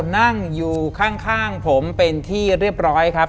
นั่งอยู่ข้างผมเป็นที่เรียบร้อยครับ